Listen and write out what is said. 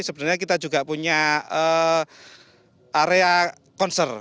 sebenarnya kita juga punya area konser